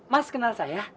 mas kenal saya